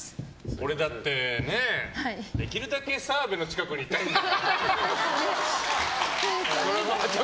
俺だって、できるだけ澤部の近くにいたいんだから。